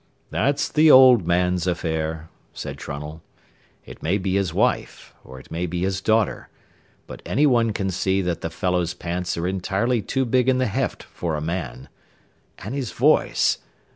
"That's the old man's affair," said Trunnell; "it may be his wife, or it may be his daughter, but any one can see that the fellow's pants are entirely too big in the heft for a man. An' his voice!